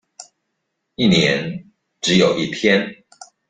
一年只有一天